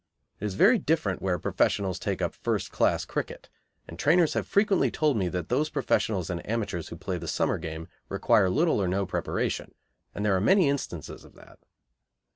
It is very different where professionals take up first class cricket, and trainers have frequently told me that those professionals and amateurs who play the summer game require little or no preparation, and there are many instances of that.